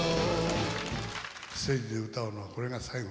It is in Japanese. ステージで歌うのはこれが最後。